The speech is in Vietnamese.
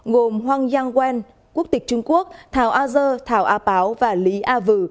gồm hoang giang quen quốc tịch trung quốc thảo a dơ thảo a páo và lý a vừ